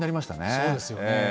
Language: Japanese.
そうですよね。